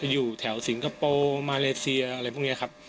อยู่แถวสิงคโปร์มาเลเซียอะไรพวกนี้ครับ